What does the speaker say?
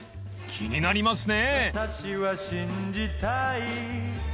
気になりますね］